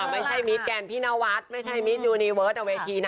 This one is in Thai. ไม่ใช่มิตรแก่นพินวัฒน์ไม่ใช่มิตรยูนิเวิร์สเอาไว้ทีไหน